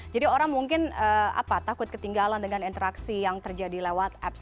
jadi orang mungkin takut ketinggalan dengan interaksi yang terjadi lewat apps